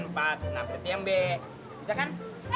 nah berarti yang b bisa kan